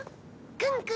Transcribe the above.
クンクン。